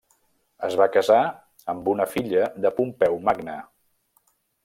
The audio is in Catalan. Es va casar amb una filla de Pompeu Magne.